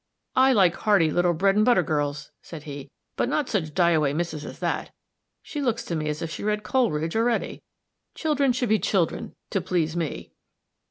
"I like hearty little bread and butter girls," said he, "but not such die away misses as that. She looks to me as if she read Coleridge already. Children should be children, to please me."